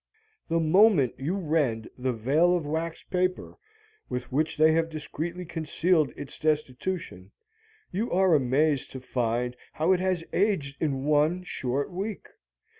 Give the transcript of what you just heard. The moment you rend the veil of wax paper with which they have discreetly concealed its destitution, you are amazed to find how it has aged in one short week.